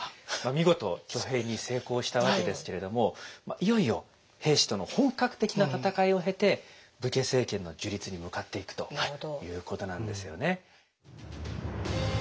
見事挙兵に成功したわけですけれどもいよいよ平氏との本格的な戦いを経て武家政権の樹立に向かっていくということなんですよね。